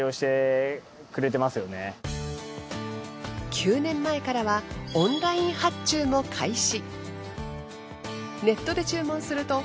９年前からはオンライン発注も開始。